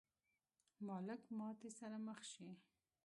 مالک ماتې سره مخ شي.